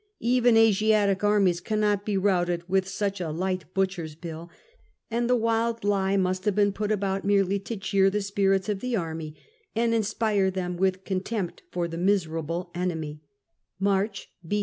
Even Asiatic armies cannot be routed with such a light butcher's bill, and the wild lie must have been put about merely to cheer the spirits of the army, and inspire them with contempt for the miserable enemy [March B.